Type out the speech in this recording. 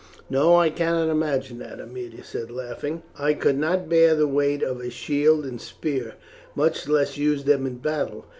"No, I cannot imagine that," Aemilia said laughing. "I could not bear the weight of a shield and spear, much less use them in battle.